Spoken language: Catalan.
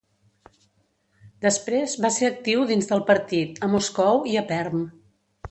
Després, va ser actiu dins del partit, a Moscou i a Perm.